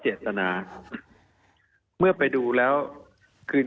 มีความรู้สึกว่ามีความรู้สึกว่า